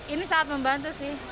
ini sangat membantu sih